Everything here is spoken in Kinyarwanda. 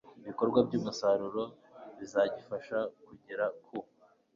bikorwa by umusaruro bizagifasha kugera ku